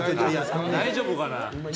大丈夫かな。